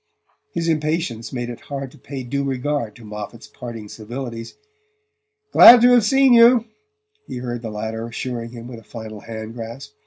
His impatience made it hard to pay due regard to Moffatt's parting civilities. "Glad to have seen you," he heard the latter assuring him with a final hand grasp.